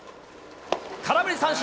空振り三振。